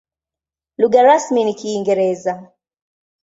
Lugha rasmi ni Kiingereza.